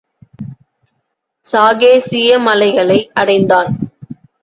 சாகேசிய மலைகளை அடைந்தான்.